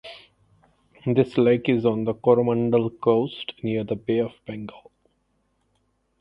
This lake is on the Coromandel Coast, near the Bay of Bengal.